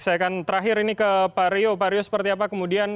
saya akan terakhir ini ke pak rio pak rio seperti apa kemudian